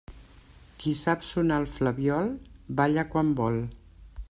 Qui sap sonar el flabiol, balla quan vol.